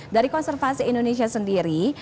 dari konservasi indonesia sendiri